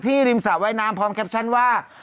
ริมสระว่ายน้ำพร้อมแคปชั่นว่า